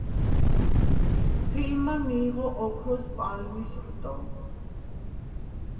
ფილმმა მიიღო ოქროს პალმის რტო.